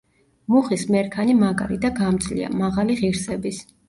მუხის მერქანი მაგარი და გამძლეა, მაღალი ღირსების.